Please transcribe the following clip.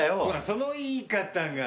その言い方が。